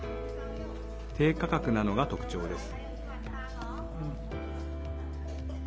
低価格なのが特徴です。